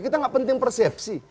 kita enggak penting persepsi